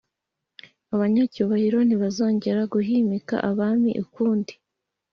Abanyacyubahiro ntibazongera kuhimika abami ukundi,